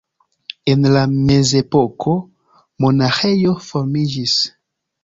En la mezepoko monaĥejo formiĝis.